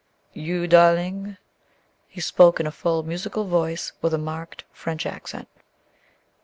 "You, darling?" He spoke in a full, musical voice with a marked French accent.